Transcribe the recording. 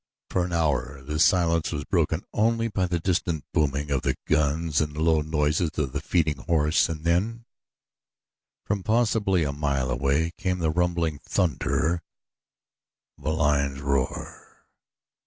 For an hour the silence was broken only by the distant booming of the guns and the low noises of the feeding horse and then, from possibly a mile away, came the rumbling thunder of a lion's roar.